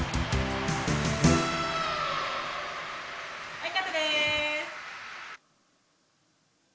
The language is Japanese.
はいカットです。